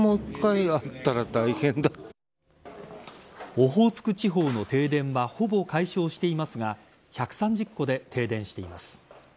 オホーツク地方の停電はほぼ解消していますが１３０戸で停電しています。